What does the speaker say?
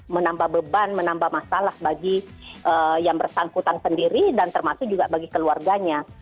menambah beban menambah masalah bagi yang bersangkutan sendiri dan termasuk juga bagi keluarganya